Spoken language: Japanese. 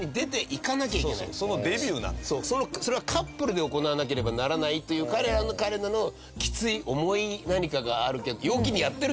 それはカップルで行わなければならないという彼らのきつい重い何かがある陽気にやってるけど。